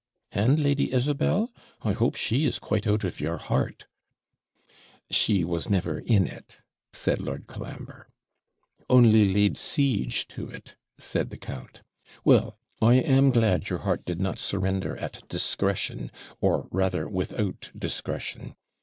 'And Lady Isabel? I hope she is quite out of your heart.' 'She never was in it,' said Lord Colambre. 'Only laid siege to it,' said the count. 'Well, I am glad your heart did not surrender at discretion, or rather without discretion.